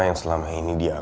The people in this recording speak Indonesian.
tiara gak mau mencintai mama